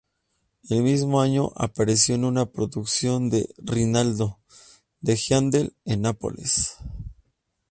El mismo año apareció en una producción de "Rinaldo" de Haendel en Nápoles.